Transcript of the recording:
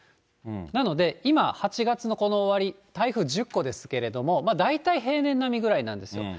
なので、今、８月のこの終わり、台風１０個ですけれども、大体平年並みぐらいなんですよ。